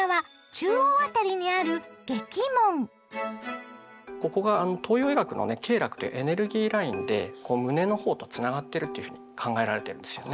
中央辺りにあるここが東洋医学のね経絡というエネルギーラインでこう胸の方とつながってるというふうに考えられてるんですよね。